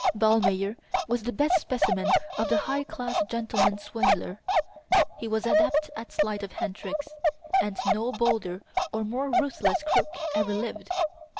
Ballmeyer was the best specimen of the high class "gentleman swindler." He was adept at sleight of hand tricks, and no bolder or more ruthless crook ever lived.